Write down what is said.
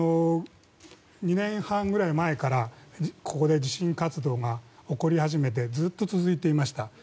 ２年半くらい前からここで地震活動が起こり始めてずっと続いていました。